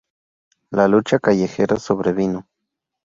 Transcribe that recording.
La lucha callejera sobrevino.